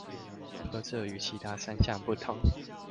何者與其他三項不同？